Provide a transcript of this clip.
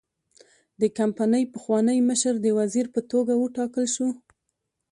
د کمپنۍ پخوانی مشر د وزیر په توګه وټاکل شو.